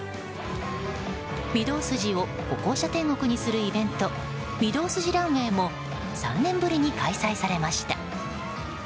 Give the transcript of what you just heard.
御堂筋を歩行者天国にするイベント御堂筋ランウェイも３年ぶりに開催されました。